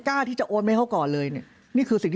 เพราะอาชญากรเขาต้องปล่อยเงิน